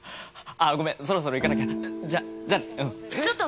あっ、ごめんそろそろ行かなきゃ、じゃあね。